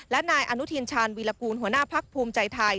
และนายอนุทินชาญวีรกูลหัวหน้าพักภูมิใจไทย